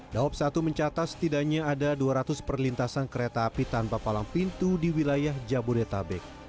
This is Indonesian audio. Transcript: daob satu mencatat setidaknya ada dua ratus perlintasan kereta api tanpa palang pintu di wilayah jabodetabek